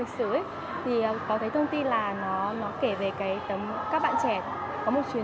sống giữa yêu thư